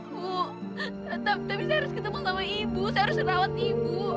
bu tapi saya harus ketemu sama ibu saya harus merawat ibu